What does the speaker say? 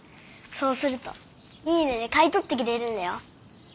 そうするといい値で買い取ってくれるんだよ。